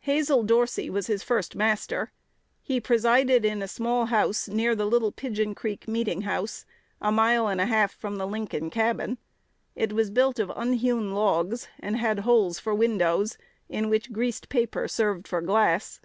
Hazel Dorsey was his first master.1 He presided in a small house near the Little Pigeon Creek meeting house, a mile and a half from the Lincoln cabin. It was built of unhewn logs, and had "holes for windows," in which "greased paper" served for glass.